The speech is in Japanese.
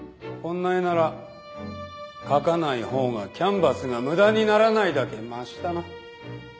こんな絵なら描かない方がキャンバスが無駄にならないだけましだな